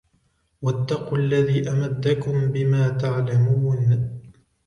واتقوا الذي أمدكم بما تعلمون